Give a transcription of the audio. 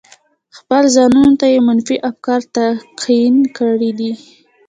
خپلو ځانونو ته يې منفي افکار تلقين کړي دي.